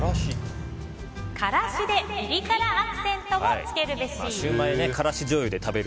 辛子でピリ辛アクセントをつけるべし。